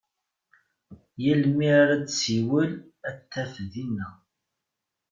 Yal mi ara tessiwel a t-taf dinna.